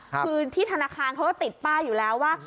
คือที่ธนาคารเขาก็ติดป้ายอยู่แล้วว่า